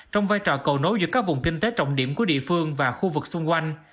trong vai trò cầu nối giữa các vùng kinh tế trọng điểm của địa phương và khu vực xung quanh